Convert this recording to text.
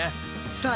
さあ